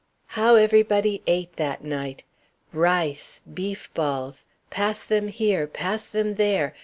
How everybody ate, that night! Rice! beef balls! pass them here! pass them there!